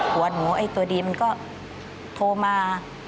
หัวหนูไอ้ตัวดีมันก็โทรมา